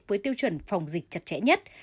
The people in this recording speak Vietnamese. với tiêu chuẩn phòng dịch chặt chẽ nhất